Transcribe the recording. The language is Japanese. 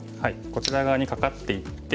こちら側にカカっていって。